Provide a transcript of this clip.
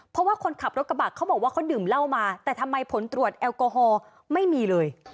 เพราะว่าคนขับรถกระบะเขาบอกว่าเขาดื่มเหล้ามาแต่ทำไมผลตรวจแอลกอฮอล์ไม่มีเลย